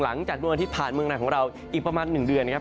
หลังจากดวงอาทิตย์ผ่านเมืองไหนของเราอีกประมาณ๑เดือนนะครับ